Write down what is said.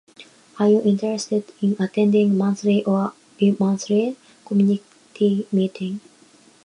Are you interested in attending monthly or bi-monthly community meetings?